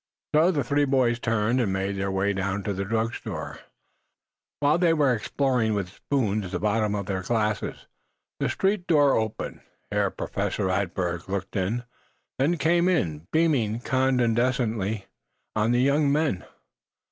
So the three boys turned and made their way to the drugstore. While they were exploring with spoons the bottoms of their glasses, the street door opened. Herr Professor Radberg looked in, then came in, beaming condescendingly on the young men.